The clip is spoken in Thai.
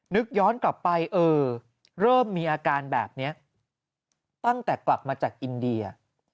นึกย้อนกลับไปเออเริ่มมีอาการแบบนี้ตั้งแต่กลับมาจากอินเดีย